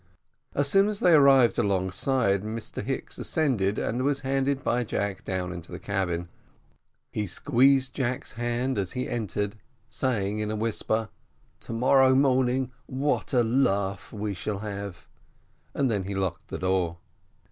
As soon as they arrived alongside, Mr Hicks ascended, and was handed by Jack down into the Cabin: he squeezed Jack's hand as he entered, saying in a whisper, "To morrow morning what a laugh we shall have!" and then he locked the door.